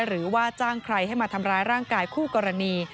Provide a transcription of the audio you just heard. หรือว่าจ้างใครให้มาทำร้ายร่างกายคู่กรณี